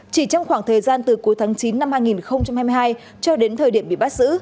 chỉ trong khoảng thời gian từ cuối tháng chín năm hai nghìn hai mươi hai cho đến thời điểm bị bắt giữ